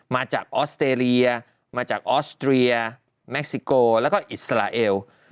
มาจากออสเตรเลียมาจากออสเตรียแม็กซิโกแล้วก็อิสราเอล